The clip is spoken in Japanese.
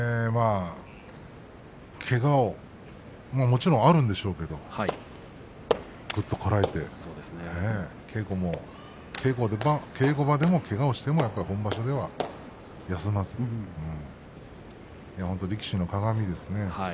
けがはもちろんあるんでしょうけどぐっとこらえて稽古場でもけがをしても本場所では休まずに本当に力士のかがみですね。